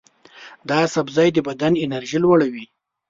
دا سبزی د بدن انرژي لوړوي.